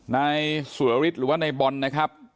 ในสุรวิทย์หรือว่าในบอลนะครับ